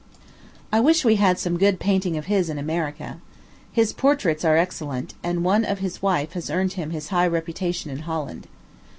I wish we had some good painting of his in America. His portraits are excellent, and one of his wife has earned him his high reputation in Holland.